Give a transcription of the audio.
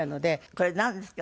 これなんですか？